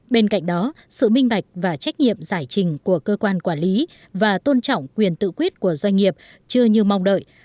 bên cạnh đó sự minh bạch và trách nhiệm giải trình của cơ quan quản lý và tôn trọng quyền tự quyết của doanh nghiệp chưa như mong đợi